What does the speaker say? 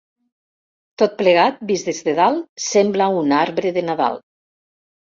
Tot plegat, vist des de dalt, sembla un arbre de Nadal.